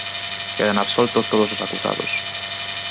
Quedan absoltos todos os acusados.